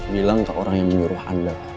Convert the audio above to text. bilang ke orang yang menyuruh anda